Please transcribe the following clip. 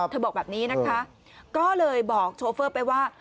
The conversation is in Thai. บอกแบบนี้นะคะก็เลยบอกโชเฟอร์ไปว่า